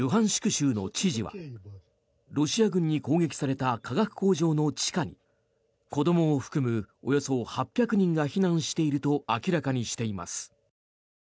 州の知事はロシア軍に攻撃された化学工場の地下に子どもを含むおよそ８００人が避難していると明らかにしています。